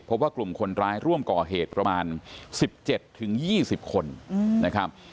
พบว่ากลุ่มคนร้ายร่วมก่อเหตุประมาณ๑๗๒๐คนนะครับ